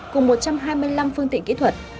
cùng một trăm hai mươi năm phương tiện kỹ thuật